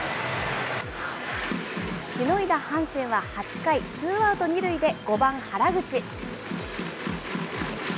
しのいだ阪神は８回、ツーアウト２塁で５番原口。